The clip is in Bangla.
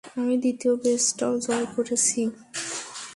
আমি দ্বিতীয় বেসটাও জয় করেছি!